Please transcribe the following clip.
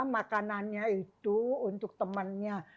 makanannya itu untuk temannya